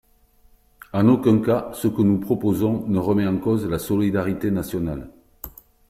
En aucun cas ce que nous proposons ne remet en cause la solidarité nationale.